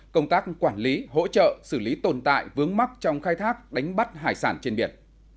công tác quản lý hỗ trợ xử lý tồn tại vướng mắc trong khai thác đánh bắt hải sản trên biển